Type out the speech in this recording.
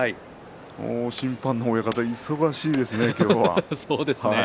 審判の親方忙しいですね、今日は。